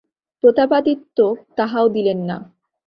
প্রতাপাদিত্য তাহাও দিলেন না।